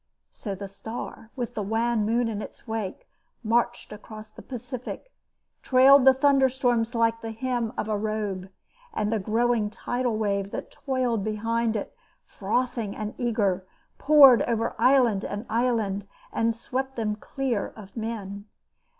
So the star, with the wan moon in its wake, marched across the Pacific, trailed the thunderstorms like the hem of a robe, and the growing tidal wave that toiled behind it, frothing and eager, poured over island and island and swept them clear of men.